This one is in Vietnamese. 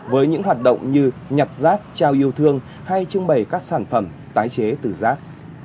với những hoạt động như nhặt rác trao yêu thương hay trưng bày các sản phẩm tái chế từ rác